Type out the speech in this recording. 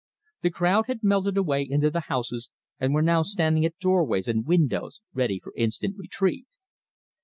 The crowd had melted away into the houses, and were now standing at doorways and windows, ready for instant retreat.